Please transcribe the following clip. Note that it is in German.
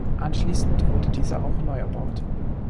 Anschließend wurde diese auch neu erbaut.